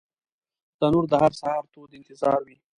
تنور د هر سهار تود انتظار وي